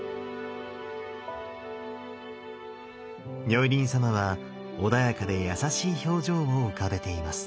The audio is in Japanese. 如意輪様は穏やかで優しい表情を浮かべています。